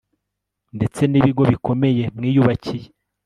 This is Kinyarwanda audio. ndetse n'ibigo bikomeye mwiyubakiye